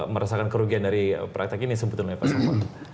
merasakan kerugian dari praktek ini sebetulnya pak samsul